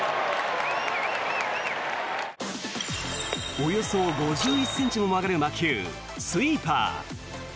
およそ５１ｃｍも曲がる魔球スイーパー。